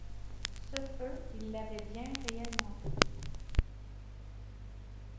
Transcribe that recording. Ce feu, il l’avait bien réellement vu